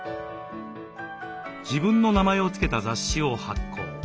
自分の名前を付けた雑誌を発行。